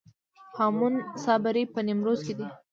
هامون صابري په نیمروز کې دی